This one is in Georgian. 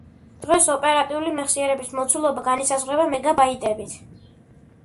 დღეს ოპერატიული მეხსიერების მოცულობა განისაზღვრება მეგა ბაიტებით.